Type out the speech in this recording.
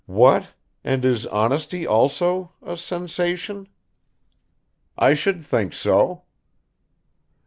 "What, and is honesty also a sensation?" "I should think so."